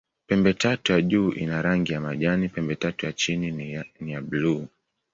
Pembetatu ya juu ina rangi ya majani, pembetatu ya chini ni ya buluu.